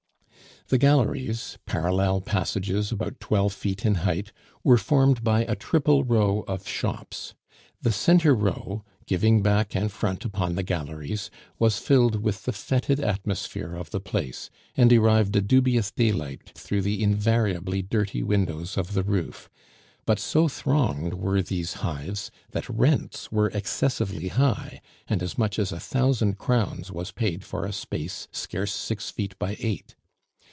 The Galleries, parallel passages about twelve feet in height, were formed by a triple row of shops. The centre row, giving back and front upon the Galleries, was filled with the fetid atmosphere of the place, and derived a dubious daylight through the invariably dirty windows of the roof; but so thronged were these hives, that rents were excessively high, and as much as a thousand crowns was paid for a space scarce six feet by eight.